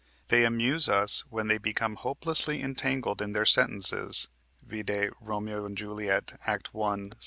They amuse us when they become hopelessly entangled in their sentences (vide Romeo and Juliet, Act 1, Sc.